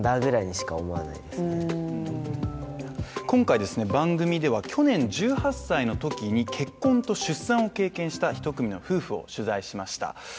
今回番組では去年１８歳の時に結婚と出産を経験した１組の夫婦を取材しました。